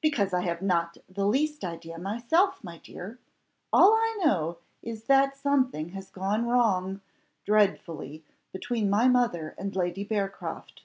"Because I have not the least idea myself, my dear. All I know is, that something has gone wrong, dreadfully! between my mother and Lady Bearcroft.